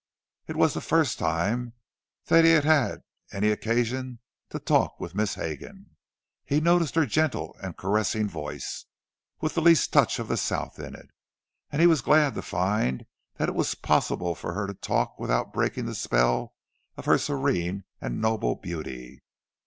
It was the first time that he had ever had any occasion to talk with Miss Hegan. He noticed her gentle and caressing voice, with the least touch of the South in it; and he was glad to find that it was possible for her to talk without breaking the spell of her serene and noble beauty.